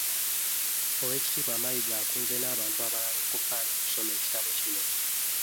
Oweekitiibwa Mayiga akunze n'abantu abalala okufaayo okusoma ekitabo kino